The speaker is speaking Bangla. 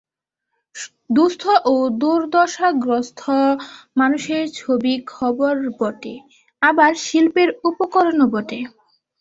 দুস্থ ও দুর্দশাগ্রস্ত মানুষের ছবি খবর বটে, আবার শিল্পের উপকরণও বটে।